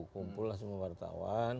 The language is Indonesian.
kumpullah semua wartawan